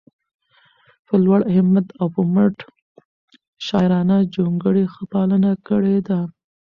په لوړ همت او مټ د پښتو شاعرانه جونګړې ښه پالنه کړي ده